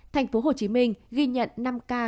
tp hcm ghi nhận năm ca